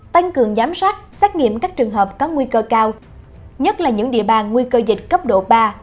tăng cường giám sát xét nghiệm các trường hợp có nguy cơ cao nhất là những địa bàn nguy cơ dịch cấp độ ba